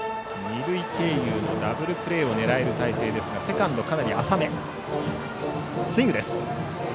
二塁経由のダブルプレーを狙える態勢ですがセカンド、かなり浅め。